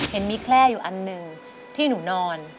เห็นมีแคล่อยู่อันหนึ่งที่หนูนอน